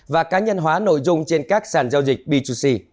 và cá nhân hóa nội dung trên các sàn giao dịch b hai c